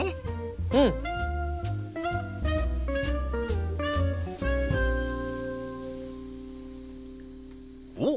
うん！おっ！